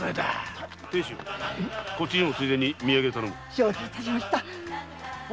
承知致しました。